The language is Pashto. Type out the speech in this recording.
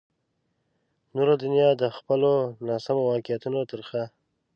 نوره دنیا د خپلو ناسمو واقعیتونو ترخه.